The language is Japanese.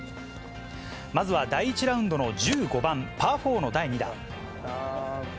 まずは第１ラウンドの１５番パー４の第２打。